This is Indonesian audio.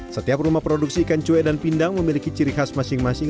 setiap rumah produksi ikan cuek dan pindang memiliki ciri khas masing masing